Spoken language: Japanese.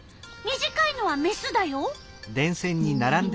短いのはメスだよ。